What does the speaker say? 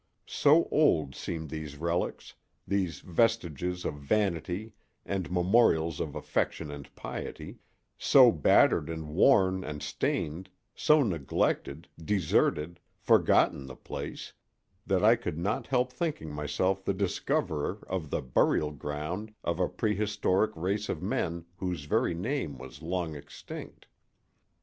So old seemed these relics, these vestiges of vanity and memorials of affection and piety, so battered and worn and stained—so neglected, deserted, forgotten the place, that I could not help thinking myself the discoverer of the burial ground of a prehistoric race of men whose very name was long extinct.